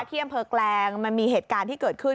ที่อำเภอแกลงมันมีเหตุการณ์ที่เกิดขึ้น